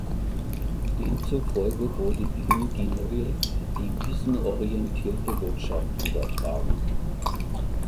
Demzufolge wurde ihm die neue devisenorientierte Wirtschaft übertragen.